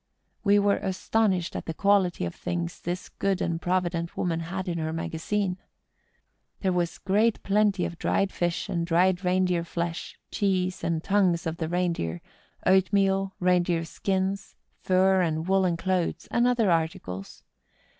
We were astonished at the quantity of things this good and provident woman had in her magazine. There was great plenty of dried fish and dried rein deer flesh, cheese, and tongues of the rein deer, oatmeal, rein deer skins, fur and woollen clothes, and other articles.